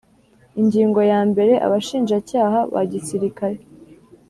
Ingingo yambere Abashinjacyaha ba Gisirikare